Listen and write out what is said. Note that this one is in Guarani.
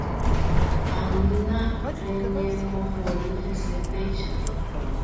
Anína reñembohory hese péicha.